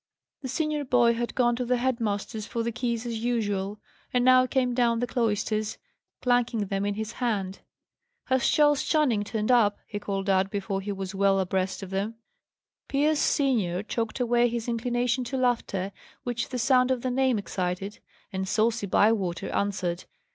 The senior boy had gone to the head master's for the keys as usual, and now came down the cloisters, clanking them in his hand. "Has Charles Channing turned up?" he called out, before he was well abreast of them. Pierce senior choked away his inclination to laughter, which the sound of the name excited, and saucy Bywater answered.